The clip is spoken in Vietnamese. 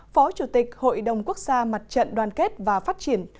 phó chủ tịch hội đồng quốc gia mặt trận đoàn kết và phát triển